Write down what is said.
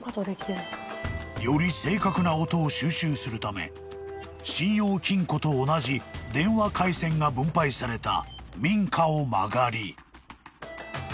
［より正確な音を収集するため信用金庫と同じ電話回線が分配された民家を間借り］